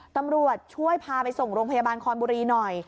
ตำรวจช่วยพาไปส่งโรงพยาบาลคอนบุรีหน่อย